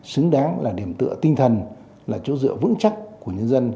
xứng đáng là điểm tựa tinh thần là chỗ dựa vững chắc của nhân dân